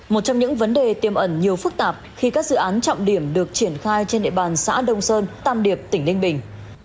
một trong những vấn đề tiêm ẩn nhiều phức tạp khi các dự án trọng điểm được triển khai trên địa bàn xã đông sơn tam điệp tỉnh ninh bình